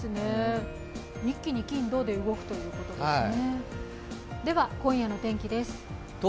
一気に、金・土で動くということですね。